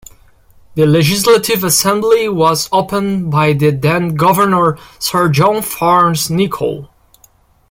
The Legislative Assembly was opened by the then governor Sir John Fearns Nicoll.